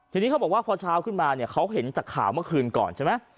ทีนี้เขาบอกว่าพอเช้าขึ้นมาเนี่ยเขาเห็นจากข่าวเมื่อคืนก่อนใช่ไหม